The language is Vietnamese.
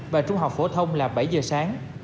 và trung học phổ thông là bảy h sáng